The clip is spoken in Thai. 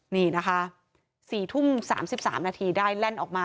นี่นะคะ๔ทุ่ม๓๓นาทีได้แล่นออกมา